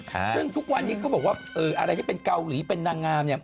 ซึ่งทุกวันนี้เขาบอกว่าอะไรที่เป็นเกาหลีเป็นนางงามเนี่ย